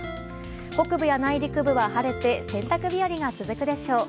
北部や内陸部は晴れて洗濯日和が続くでしょう。